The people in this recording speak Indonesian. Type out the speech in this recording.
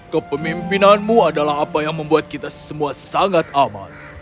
kepemimpinanmu adalah apa yang membuat kita semua sangat aman